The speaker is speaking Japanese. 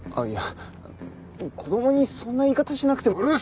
いや子供にそんな言い方しなくても。